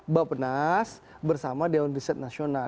bapak penas bersama dewan riset nasional